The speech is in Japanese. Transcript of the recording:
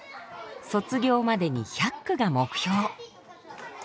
卒業までに１００句が目標。